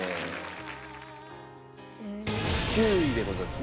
９位でございます。